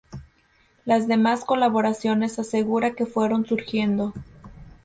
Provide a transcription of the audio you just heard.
Las demás colaboraciones asegura que fueron surgiendo.